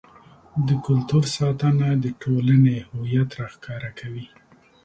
د کلتور ساتنه د ټولنې هویت راښکاره کوي.